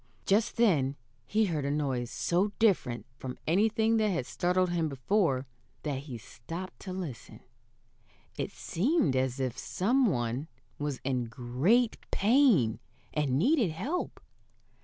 Just then he heard a noise so different from anything that had startled him before that he stopped to listen. It seemed as if some one was in great pain, and needed help.